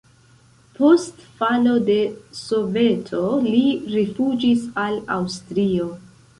Post falo de Soveto li rifuĝis al Aŭstrio.